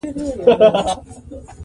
متني نقد آخري سند وړاندي کوي.